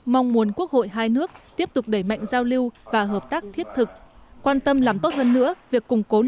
mong muốn quốc hội hai nước tiếp tục đẩy mạnh giao lưu và hợp tác thiết thực